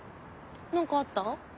何かあった？